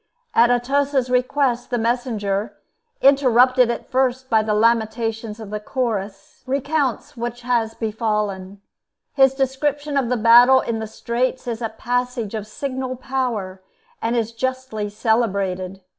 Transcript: At Atossa's request, the messenger, interrupted at first by the lamentations of the Chorus, recounts what has befallen. His description of the battle in the straits is a passage of signal power, and is justly celebrated.